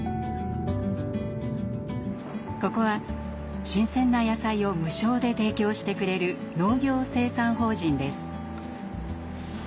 ここは新鮮な野菜を無償で提供してくれる農業生産法人です。